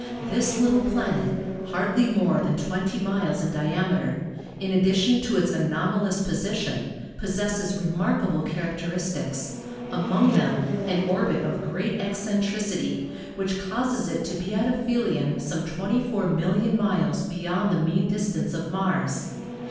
This little planet, hardly more than twenty miles in diameter, in addition to its anomalous position, pos sesses remarkable characteristics, among them an orbit of great eccentricity, which causes it to be at aphelion some 24,000,000 miles beyond the mean distance of Mars.